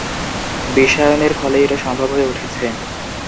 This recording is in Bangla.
বিশ্বায়ন এর ফলেই এটা সম্ভব হয়ে উঠছে।